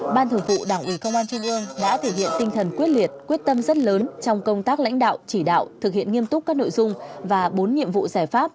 ban thường vụ đảng ủy công an trung ương đã thể hiện tinh thần quyết liệt quyết tâm rất lớn trong công tác lãnh đạo chỉ đạo thực hiện nghiêm túc các nội dung và bốn nhiệm vụ giải pháp